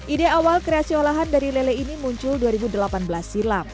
ide awal kreasi olahan dari lele ini muncul dua ribu delapan belas silam